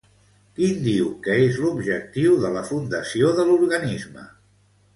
Quin diu que és l'objectiu de la fundació de l'organisme?